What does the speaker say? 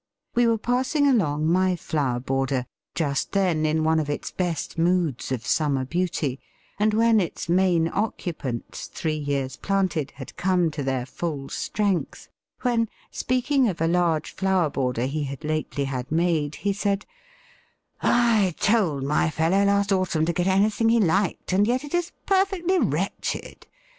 We were passing along my flower border, just then in one of its best moods of summer beauty, and when its main occupants, three years planted, had come to their full strength, when, speaking of a large flower border he had lately had made, he said, "I told my fellow last autumn to get anything he liked, and yet it is perfectly wretched.